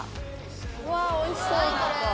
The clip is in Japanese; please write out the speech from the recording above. うわおいしそう。